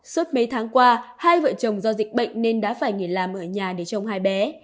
suốt mấy tháng qua hai vợ chồng do dịch bệnh nên đã phải nghỉ làm ở nhà để chồng hai bé